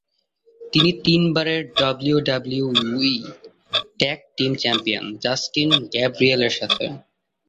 তিনি তিনবারের WWE tag team champion, Justin Gabriel এর সাথে।